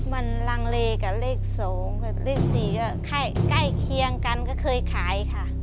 มันลังเลกอ่ะเลขสองเลขสี่ก็ใกล้ใกล้เคียงกันก็เคยขายค่ะ